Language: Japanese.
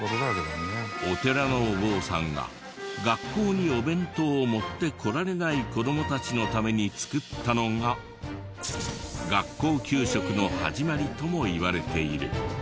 お寺のお坊さんが学校にお弁当を持ってこられない子どもたちのために作ったのが学校給食の始まりともいわれている。